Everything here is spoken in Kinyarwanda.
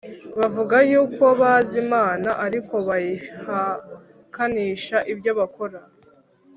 Bavuga yuko bazi Imana ariko bayihakanisha ibyo bakora.